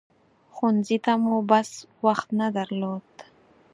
ښوونځي ته مو بس وخت نه درلود.